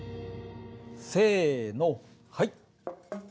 せのはい！